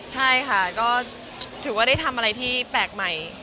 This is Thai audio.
ใช่ค่ะก็ถือว่าได้ทำอะไรที่แปลกใหม่